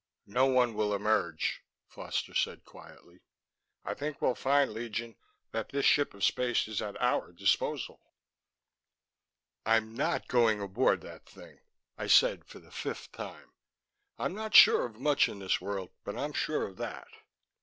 "No one will emerge," Foster said quietly. "I think we'll find, Legion, that this ship of space is at our disposal." "I'm not going aboard that thing," I said for the fifth time. "I'm not sure of much in this world, but I'm sure of that."